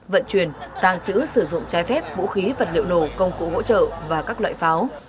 vận chuyển tàng trữ sử dụng trái phép vũ khí vật liệu nổ công cụ hỗ trợ và các loại pháo